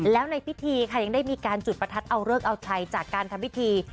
แล้วในพิธีค่ะยังได้มีการจุดประทัดเอาเลิกเอาชัยจากการทำพิธี